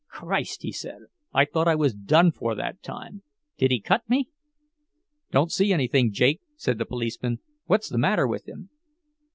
"Christ!" he said, "I thought I was done for that time. Did he cut me?" "Don't see anything, Jake," said the policeman. "What's the matter with him?"